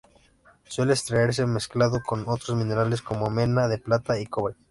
Suele extraerse mezclado con otros minerales como mena de plata y cobre.